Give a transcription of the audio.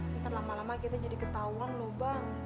ntar lama lama kita jadi ketahuan loh bang